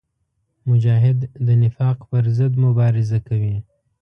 مجاهد د نفاق پر ضد مبارزه کوي.